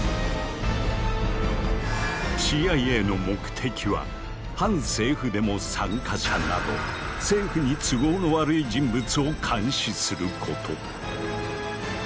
ＣＩＡの目的は反政府デモ参加者など政府に都合の悪い人物を監視すること。